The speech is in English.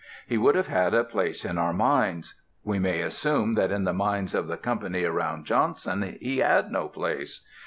He would have had a place in our minds. We may assume that in the minds of the company around Johnson he had no place.